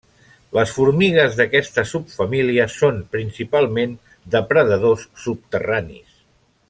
Les formigues d'aquesta subfamília són principalment depredadors subterranis.